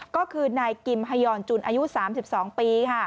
ก็คือนายกิมฮยอนจุนอายุ๓๒ปี